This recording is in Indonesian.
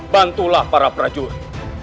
bantulah para prajurit